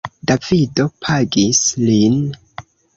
Davido pagis lin.